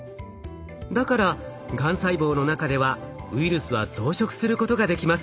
だからがん細胞の中ではウイルスは増殖することができます。